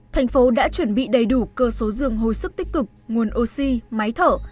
tp hcm đã chuẩn bị đầy đủ cơ số dường hồi sức tích cực nguồn oxy máy thở